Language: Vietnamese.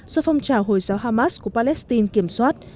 do phong trào hồi giáo hamas của palestine kiểm soát